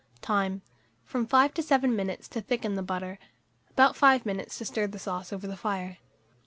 Time. From 5 to 7 minutes to thicken the butter; about 5 minutes to stir the sauce over the fire.